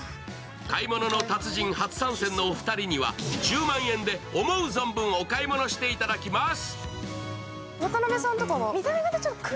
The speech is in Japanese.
「買い物の達人」初参戦のお二人には１０万円で思う存分お買い物していただきます。